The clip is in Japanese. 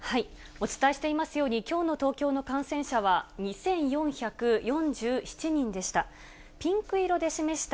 お伝えしていますように、きょうの東京の感染者は２４４７人でした。